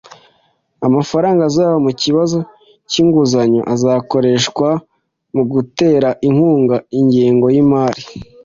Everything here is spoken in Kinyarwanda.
Amafaranga azava mu kibazo cy’inguzanyo azakoreshwa mu gutera inkunga ingengo y’imari.